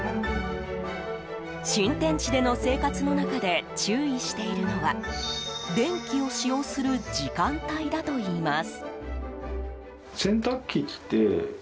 新天地での生活の中で注意しているのは電気を使用する時間帯だといいます。